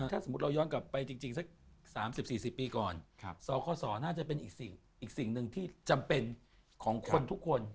ถ้าสมมุติเราย้อนกลับไปจริงสัก๓๐๔๐ปีก่อนสคศน่าจะเป็นอีกสิ่งหนึ่งที่จำเป็นของคนทุกคน